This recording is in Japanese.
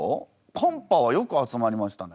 カンパはよく集まりましたね。